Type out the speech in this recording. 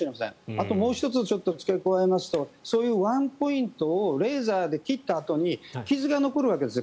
あと、もう１つ付け加えるとそういうワンポイントをレーザーで切ったあとに傷が残るわけです。